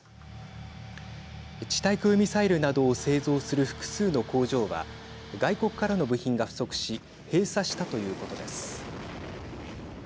地対空ミサイルなどを製造する複数の工場は外国からの部品が不足し閉鎖したということです。